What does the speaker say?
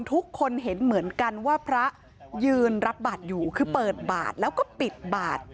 ทุกคนเห็นเหมือนกันว่าพระยืนรับบาทอยู่คือเปิดบาทแล้วก็ปิดบาท